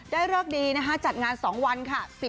เลิกดีนะคะจัดงาน๒วันค่ะ